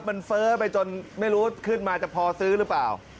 มันเฟ้อไปจนไม่รู้ขึ้นมาจะพอซื้อหรือเปล่า